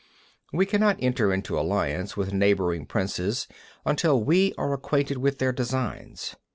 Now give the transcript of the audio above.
52. We cannot enter into alliance with neighbouring princes until we are acquainted with their designs.